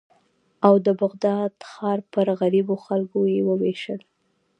او د بغداد د ښار پر غریبو خلکو یې ووېشل.